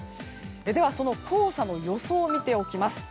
では、その黄砂の予想を見ておきます。